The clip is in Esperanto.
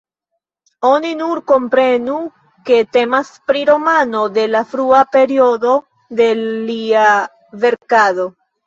Oni nur komprenu, ke temas pri romano el la frua periodo de lia verkado.